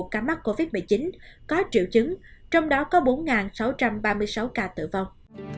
một mươi một ca mắc covid một mươi chín có triệu chứng trong đó có bốn sáu trăm ba mươi sáu ca tử vong